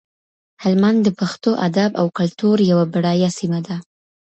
هلمند د پښتو ادب او کلتور یوه بډایه سیمه ده.